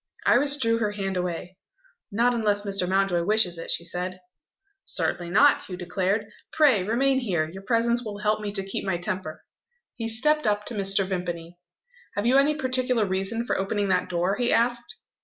Iris drew her hand away. "Not unless Mr. Mountjoy wishes it," she said. "Certainly not!" Hugh declared. "Pray remain here; your presence will help me to keep my temper." He stepped up to Mr. Vimpany. "Have you any particular reason for opening that door?" he asked.